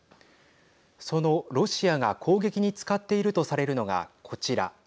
そのロシアが攻撃に使っているとされるのがこちら。